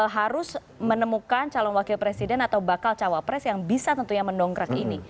harus menemukan calon wakil presiden atau bakal cawapres yang bisa tentunya mendongkrak ini